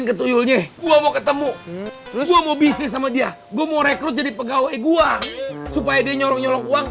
ketuyunya gua mau ketemu terus gue mau bisnis sama dia gue mau rekrut jadi pegawai gua supaya dia nyolong nyolong uang